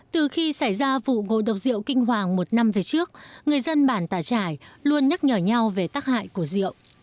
từ khi xảy ra vụ ngộ độc rượu kinh hoàng một năm về trước người dân bản tà trải luôn nhắc nhở nhau về tác hại của rượu